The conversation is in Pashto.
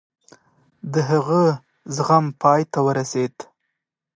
د هغه زغم پای ته ورسېد.